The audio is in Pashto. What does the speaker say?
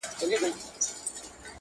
له اغيار سره يې كړي پيوندونه!.